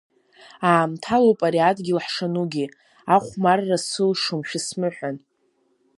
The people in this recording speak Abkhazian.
Аамҭалоуп ари адгьыл ҳшанугьы, Ахәмарра сылшом, шәысмыҳәан.